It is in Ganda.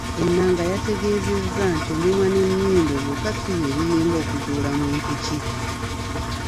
Enanga yategeezezza nti omumwa n'ennyindo byokka ssi bye biyamba okuzuula muntu ki.